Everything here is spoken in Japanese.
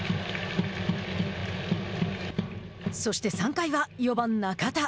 そして３回は４番中田。